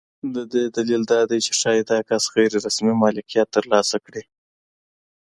د دې دلیل دا دی چې ښایي دا کس غیر رسمي مالکیت ترلاسه کړي.